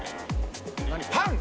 パン！